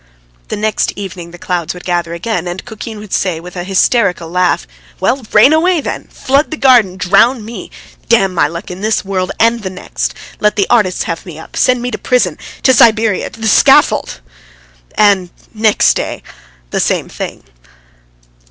The next evening the clouds would gather again, and Kukin would say with an hysterical laugh: "Well, rain away, then! Flood the garden, drown me! Damn my luck in this world and the next! Let the artists have me up! Send me to prison! to Siberia! the scaffold! Ha, ha, ha!" And next day the same thing.